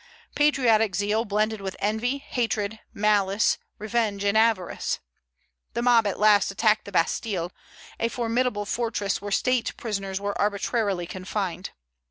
Patriotic zeal blended with envy, hatred, malice, revenge, and avarice. The mob at last attacked the Bastille, a formidable fortress where state prisoners were arbitrarily confined.